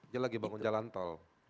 dia lagi bangun jalan tol